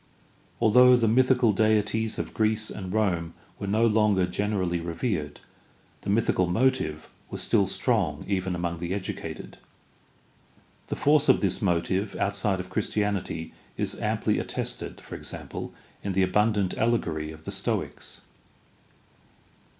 Although the mythical deities of Greece and Rome were no longer generally revered, the mythi cal motive was still strong even among the educated. The force of this motive outside of Christianity is amply attested, for example, in the abundant allegory of the Stoics.